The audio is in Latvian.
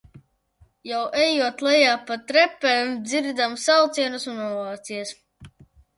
Jau ejot lejā pa trepēm dzirdam saucienus un ovācijas.